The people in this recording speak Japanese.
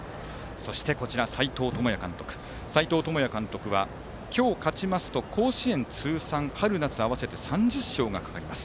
そして斎藤智也監督は今日、勝ちますと甲子園通算春夏合わせて３０勝がかかります。